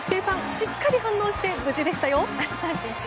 しっかり反応して無事でしたよ！